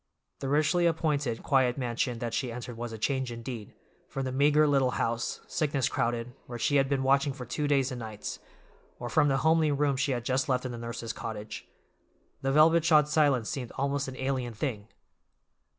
The richly appointed, quiet mansion that she entered was a change, indeed, from the meager little house, sickness crowded, where she had been watching for two days and nights, or from the homely room she had just left in the nurse's cottage. The velvet shod silence seemed almost an alien thing.